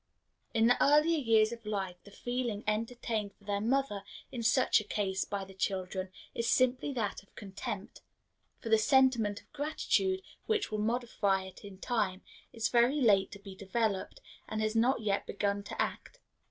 In the earlier years of life the feeling entertained for their mother in such a case by the children is simply that of contempt; for the sentiment of gratitude which will modify it in time is very late to be developed, and has not yet begun to act.